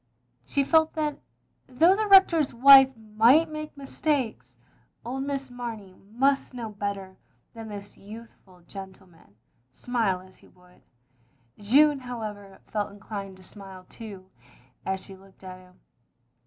She felt that, though the Rector's wife might make mistakes, old Miss Mamey must know better than this youthful gentleman, smile as he would. Jeanne, however, felt inclined to smile too, as she looked at him.